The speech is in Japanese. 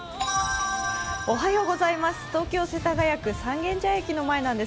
東京・世田谷区三軒茶屋駅前です。